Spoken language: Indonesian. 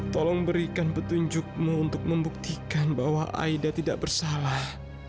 tolong berikan petunjukmu untuk membuktikan bahwa aida tidak bersalah